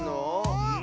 うん。